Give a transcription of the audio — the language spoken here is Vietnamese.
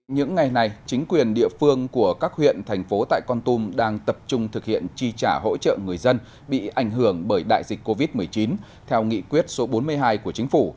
những ngày này chính quyền địa phương của các huyện thành phố tại con tum đang tập trung thực hiện chi trả hỗ trợ người dân bị ảnh hưởng bởi đại dịch covid một mươi chín theo nghị quyết số bốn mươi hai của chính phủ